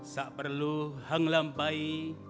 sak perlu hanglampai